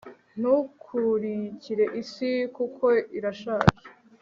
Ntukurikire isi kuko irashaje